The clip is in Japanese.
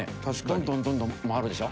どんどんどんどん回るでしょ？